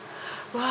うわ！